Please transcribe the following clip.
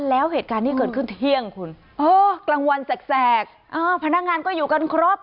แล้วเหตุการณ์ที่เกิดขึ้นเที่ยงคุณเออกลางวันแสกพนักงานก็อยู่กันครบ